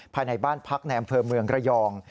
ภายในบ้านพักในอำเภอเมืองระยอง